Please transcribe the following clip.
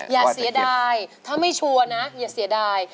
อย่าเสียดายถ้าไม่ชัวร์นะอย่าเสียดาย